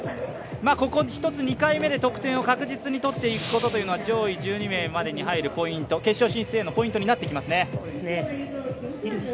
２回目で得点を確実に取っていくことというのは上位１２名までに入るポイント決勝進出へのポイントになってきますね。